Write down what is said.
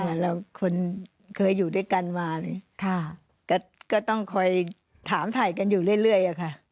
ใช่เราเคยอยู่ด้วยกันว่าเขาแต่ก็ต้องคอยถามถ่ายกันอยู่เรื่อยอะคะ